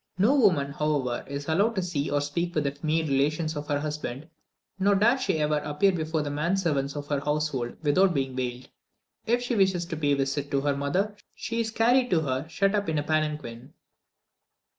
No woman, however, is allowed to see or speak with the male relations of her husband, nor dare she ever appear before the men servants of her household without being veiled. If she wishes to pay a visit to her mother, she is carried to her shut up in a palanquin.